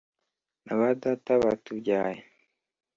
na ba data batubyaye